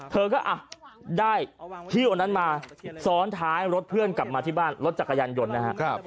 เธอก็ได้พี่คนนั้นมาซ้อนท้ายรถเพื่อนกลับมาที่บ้านรถจักรยานยนต์นะครับ